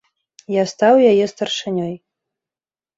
Я стаў яе старшынёй.